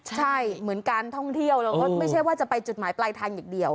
ใช่เหมือนการท่องเที่ยวเราก็ไม่ใช่ว่าจะไปจุดหมายปลายทางอย่างเดียว